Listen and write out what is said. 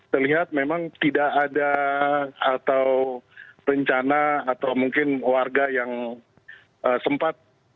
terlihat memang tidak ada atau rencana atau mungkin warga yang sempat